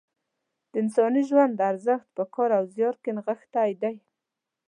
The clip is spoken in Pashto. د انساني ژوند ارزښت په کار او زیار کې نغښتی دی.